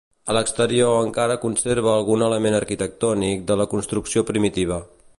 A l'exterior encara conserva algun element arquitectònic de la construcció primitiva.